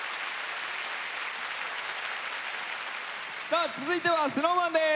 さあ続いてはＳｎｏｗＭａｎです。